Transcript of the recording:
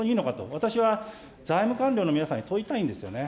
私は財務官僚の皆さんに問いたいんですよね。